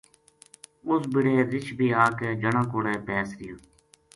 اُس بِڑے رچھ بی آ کے جنا کو ڑے بیس رہیو